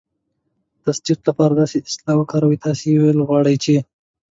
د تصدیق لپاره داسې اصطلاح وکاروئ: "تاسې ویل غواړئ چې..."